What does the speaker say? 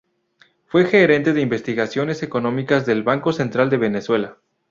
Fue gerente de Investigaciones Económicas del Banco Central de Venezuela.